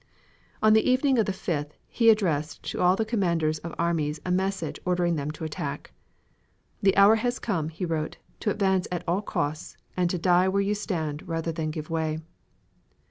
On the evening of the 5th he addressed to all the commanders of armies a message ordering them to attack. "The hour has come," he wrote, "to advance at all costs, and to die where you stand rather than give way."